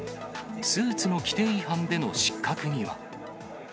スーツの規定違反での失格には。